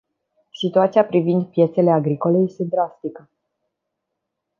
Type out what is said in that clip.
Situația privind piețele agricole este drastică.